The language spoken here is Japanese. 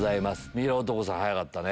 ミイラ男さん早かったね。